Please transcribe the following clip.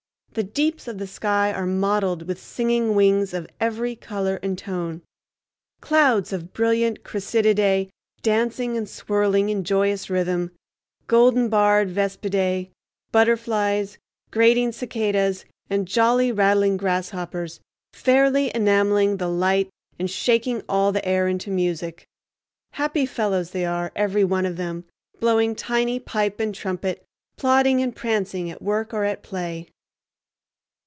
The deeps of the sky are mottled with singing wings of every color and tone—clouds of brilliant chrysididae dancing and swirling in joyous rhythm, golden barred vespidae, butterflies, grating cicadas and jolly rattling grasshoppers—fairly enameling the light, and shaking all the air into music. Happy fellows they are, every one of them, blowing tiny pipe and trumpet, plodding and prancing, at work or at play.